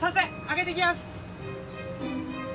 上げてきます！